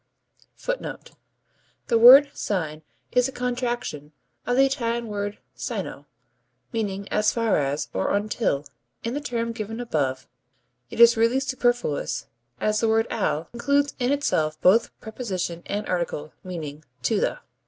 [Footnote 9: The word sin is a contraction of the Italian word sino, meaning "as far as" or "until"; in the term given above (Sec. 39) it is really superfluous as the word al includes in itself both preposition and article, meaning "to the."